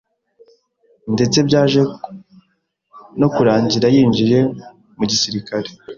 ndetse byaje no kurangira yinjiye mu gisirikare